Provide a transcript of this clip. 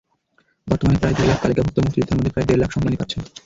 বর্তমানে প্রায় দুই লাখ তালিকাভুক্ত মুক্তিযোদ্ধার মধ্যে প্রায় দেড় লাখ সম্মানী পাচ্ছেন।